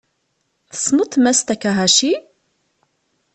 Tessneḍ Mass Takahashi?